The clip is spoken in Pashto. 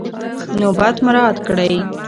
نوبت مراعات کړئ.